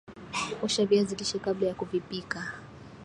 osha viazi lishe kabla ya kuvipika